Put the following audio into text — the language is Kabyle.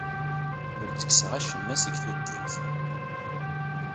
Ur d-ttekkseɣ acemma seg tuddimt.